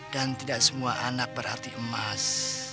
dan tidak semua anak berarti emas